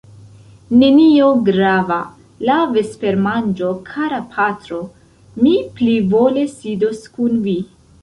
Nenio grava, la vespermanĝo, kara patro; mi plivole sidos kun vi.